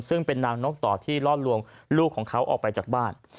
ซึ่งเป็นนางนกต่อที่ล่อลวงลูกของเขาออกไปจากบ้าน